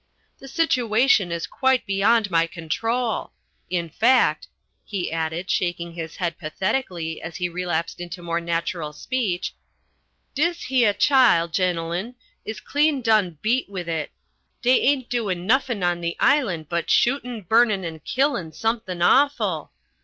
"The situation is quite beyond my control. In fact," he added, shaking his head pathetically as he relapsed into more natural speech, "dis hyah chile, gen'l'n, is clean done beat with it. Dey ain't doin' nuffin' on the island but shootin', burnin', and killin' somethin' awful.